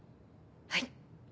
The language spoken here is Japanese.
はい。